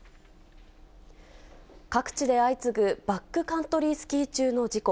各地で相次ぐ、バックカントリースキー中の事故。